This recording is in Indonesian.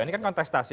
ini kan kontestasi